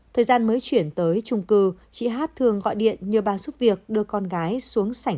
thời gian mới chuyển tới trung cư chị hát thường gọi điện nhờ bà giúp việc đưa con gái xuống sảnh